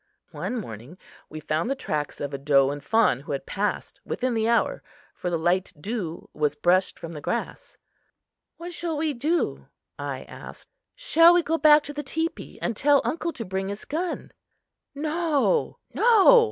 One morning we found the tracks of a doe and fawn who had passed within the hour, for the light dew was brushed from the grass. "What shall we do?" I asked. "Shall we go back to the teepee and tell uncle to bring his gun?" "No, no!"